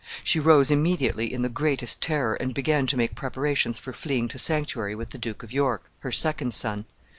She rose immediately in the greatest terror, and began to make preparations for fleeing to sanctuary with the Duke of York, her second son.